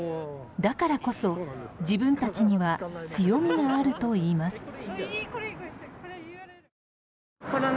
だからこそ、自分たちには強みがあるといいます。